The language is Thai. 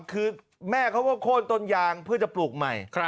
คือแม่เขาก็โค้นต้นยางเพื่อจะปลูกใหม่